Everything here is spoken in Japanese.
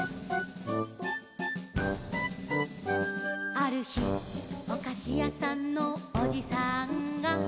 「あるひおかしやさんのおじさんが」